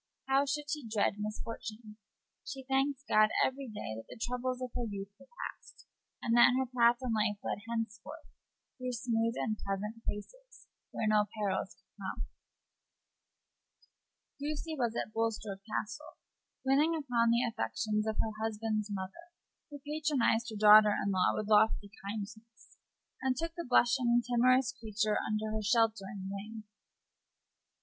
How should she dread misfortune? She thanked God every day that the troubles of her youth were past, and that her path in life led henceforth through smooth and pleasant places, where no perils could come. Lucy was at Bulstrode Castle, winning upon the affections of her husband's mother, who patronized her daughter in law with lofty kindness, and took the blushing, timorous creature under her sheltering wing.